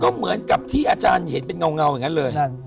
ก็เหมือนกับที่อาจารย์เห็นเป็นเงาอย่างนั้นเลย